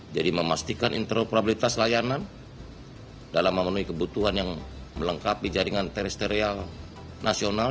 jadi memastikan interoperabilitas layanan dalam memenuhi kebutuhan yang melengkapi jaringan terrestrial nasional